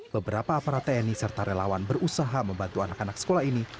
beberapa aparat tni serta relawan berusaha membantu anak anak sekolah ini